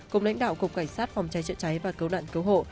cùng lãnh đạo cục cảnh sát phòng cháy chất cháy và cấu nạn cấu hộ